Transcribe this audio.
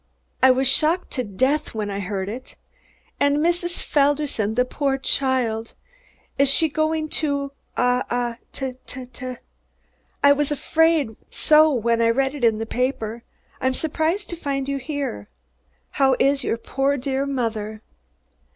I was shocked to death when I heard it. And Mrs. Felderson, the poor child, is she going to ah t t t. I was afraid so when I read it in the paper. I'm surprised to find you here. How is your poor dear mother?"